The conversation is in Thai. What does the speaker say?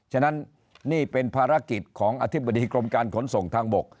ฉะนั้นนี่เป็นภารกิจของอธิบดีกรมการขนส่งทางบก